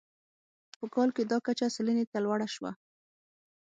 په کال کې دا کچه سلنې ته لوړه شوه.